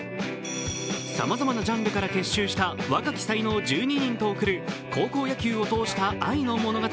さまざまなジャンルから結集した若き才能１２人と贈る、高校野球を通した愛の物語。